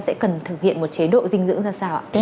sẽ cần thực hiện một chế độ dinh dưỡng ra sao ạ